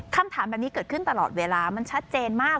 คำถามแบบนี้เกิดขึ้นตลอดเวลามันชัดเจนมาก